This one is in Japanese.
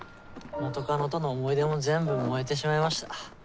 元カノとの思い出も全部燃えてしまいました。